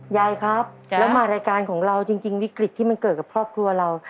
ยายครับแล้วมารายการของเราจริงวิกฤตที่มันเกิดกับครอบครัวเรา